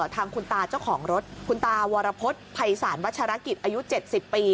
ทางคุณตาเจ้าของรถคุณตาวรพฤษภัยศาลวัชรกิจอายุ๗๐ปี